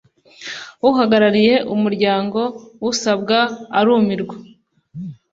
uhagarariye umuryango usabwa arumirwa,